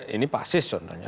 ini pasis contohnya